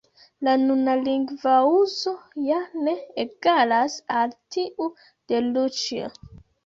La nuna lingvouzo ja ne egalas al tiu de Luĉjo.